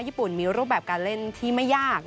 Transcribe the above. ญี่ปุ่นมีรูปแบบการเล่นที่ไม่ยาก